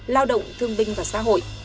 lao động thương binh và xã hội